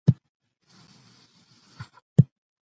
کوچنۍ ټولنپوهنه د نوي نظریاتو د پلټنې لپاره فرصتونه وړاندې کوي.